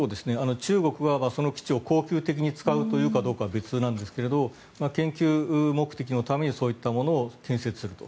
中国はその基地を恒久的に使うと言うかどうかは別なんですが研究目的のためにそういったものを建設すると。